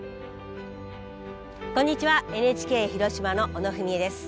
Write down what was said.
こんにちはＮＨＫ広島の小野文惠です。